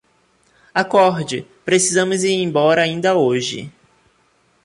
Acorde, precisamos ir embora ainda hoje